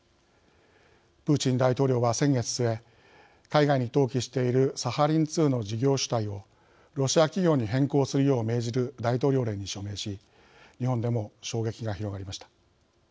プーチン大統領は先月末海外に登記しているサハリン２の事業主体をロシア企業に変更するよう命じる大統領令に署名し日本でも衝撃が広がりました。